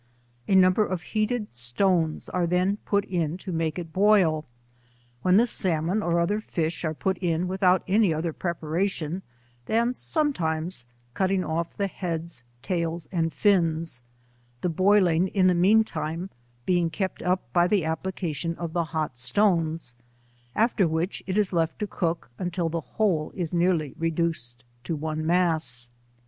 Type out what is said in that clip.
A number of heated stones are then put in to make it boil, when the salmon or other fish are put in with ont Rny other preparation than sometimes cutting off the heads, tails and fins, the boiling in the mean time been kept up by the application of the hot stones, after which it is left to cook until the whole is nearly reduced to one mass.